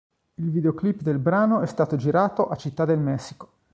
Il videoclip del brano è stato girato a Città del Messico.